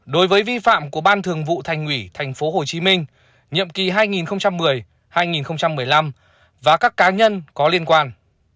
một đối với vi phạm của ban thường vụ thành ủy tp hcm nhiệm kỳ hai nghìn một mươi hai nghìn một mươi năm và các cá nhân có liên quan